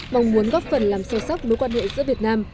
mong muốn góp phần làm sâu sắc mối quan hệ giữa việt nam